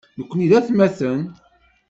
Nekkni d aytmaten.